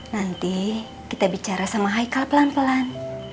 nanti kita bicara sama haikal pelan pelan